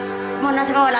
saya ingin belajar di sekolah